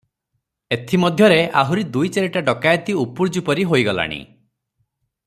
ଏଥି ମଧ୍ୟରେ ଆହୁରି ଦୁଇ ଚାରିଟା ଡକାଏତି ଉପୁର୍ଯ୍ୟୁପରି ହୋଇଗଲାଣି ।